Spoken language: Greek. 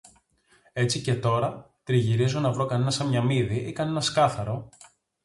Έτσι και τώρα, τριγυρίζω να βρω κανένα σαμιαμίδι ή κανένα σκάθαρο